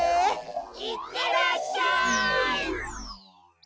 いってらっしゃい！